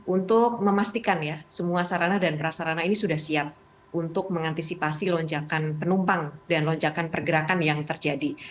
untuk memastikan ya semua sarana dan prasarana ini sudah siap untuk mengantisipasi lonjakan penumpang dan lonjakan pergerakan yang terjadi